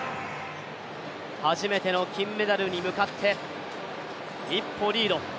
初めての金メダルに向かって一歩リード。